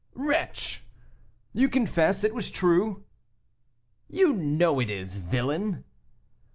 "Wretch!" "You confess, it was true?" "You know it is, villain."